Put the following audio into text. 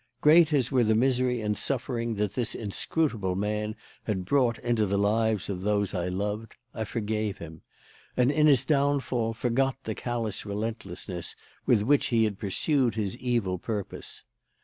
Great as were the misery and suffering that this inscrutable man had brought into the lives of those I loved, I forgave him; and in his downfall forgot the callous relentlessness with which he had pursued his evil purpose.